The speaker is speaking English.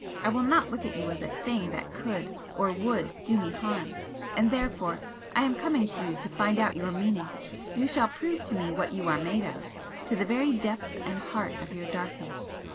I will not look at you as a thing that can or would do me harm, and therefore I am coming to you to find out your meaning! You shall prove to me what you are made of, to the very depth and heart of your darkness!